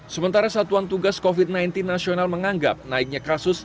sementara satuan tugas covid sembilan belas nasional menganggap naiknya kasus